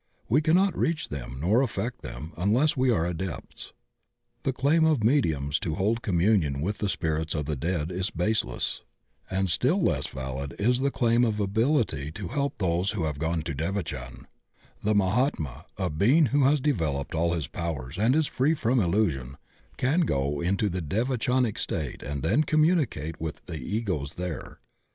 We cannot reach them nor affect them unless we are Adepts. The claim of mediums to hold communion with the spirits of the dead is baseless, and still less • Letter from Mahatma K. H. See Path, p. 192, V61. S. 116 THE OCEAN OF THEOSOPHY valid is the claim of ability to help those who have gone to devachan. The Mahatma, a being who has developed all his powers and is free from illusion, can go into the devachanic state and then communicate with the Egos there.